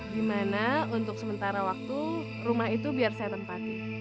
gimana untuk sementara waktu rumah itu biar saya tempati